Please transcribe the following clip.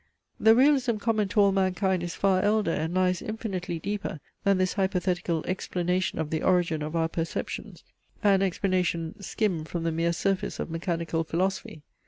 The realism common to all mankind is far elder and lies infinitely deeper than this hypothetical explanation of the origin of our perceptions, an explanation skimmed from the mere surface of mechanical philosophy.